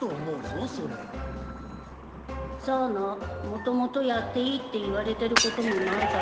もともとやっていいって言われてることもないからな。